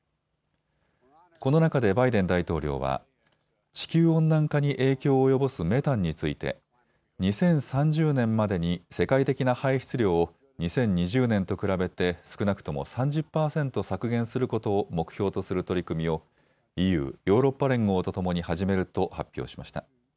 この中でバイデン大統領は地球温暖化に影響を及ぼすメタンについて２０３０年までに世界的な排出量を２０２０年と比べて少なくとも３０％削減することを目標とする取り組みをＥＵ・ヨーロッパ連合とともに始めると発表しました。